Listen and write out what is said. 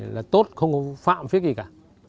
là tốt không có phạm phía kia cả